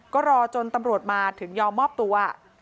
ก็รอจนตำรวจมาถึงยอมมอบตัว